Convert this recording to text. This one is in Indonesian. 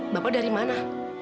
bapak dari mana